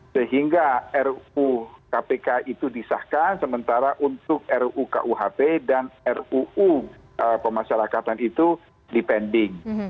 sehingga ruu kpk itu disahkan sementara untuk ruu kuhp dan ruu pemasyarakatan itu dipending